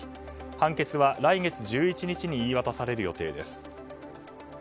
判決は来月１１日に言い渡される予定です。